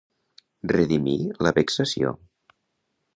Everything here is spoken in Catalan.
Redimir la vexació.